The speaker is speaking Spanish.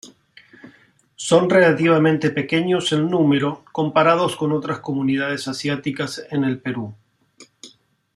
Son relativamente pequeños en número comparados con otras comunidades asiáticas en el Perú.